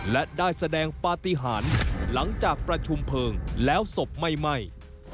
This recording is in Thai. และได้แสดงปฏิหารหลังจากประชุมเพลิงแล้วศพไม่ไหม้